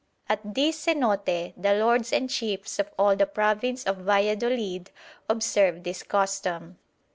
At this zenote the lords and chiefs of all the province of Valladolid observe this custom.